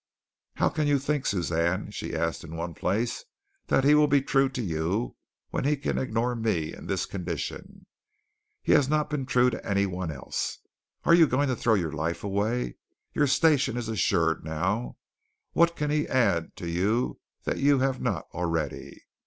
"How can you think, Suzanne," she asked in one place, "that he will be true to you when he can ignore me, in this condition? He has not been true to anyone else. Are you going to throw your life away? Your station is assured now. What can he add to you that you have not already?